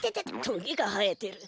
トゲがはえてる。